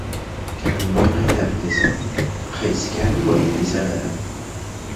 Karimboy qaytardi desam, qaysi Karimboy desalar-a?